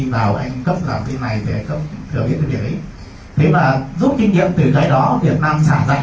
do vậy đến tại thời điểm này